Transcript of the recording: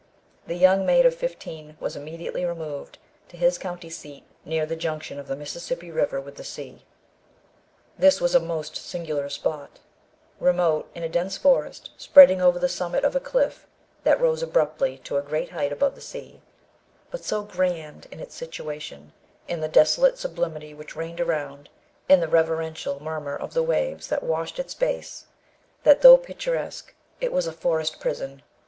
The young maid of fifteen was immediately removed to his country seat, near the junction of the Mississippi river with the sea. This was a most singular spot, remote, in a dense forest spreading over the summit of a cliff that rose abruptly to a great height above the sea; but so grand in its situation, in the desolate sublimity which reigned around, in the reverential murmur of the waves that washed its base, that, though picturesque, it was a forest prison.